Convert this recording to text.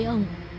đó là một đại hội